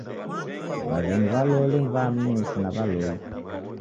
W'aghenyi w'a loli ni w'aamifu na w'a loli.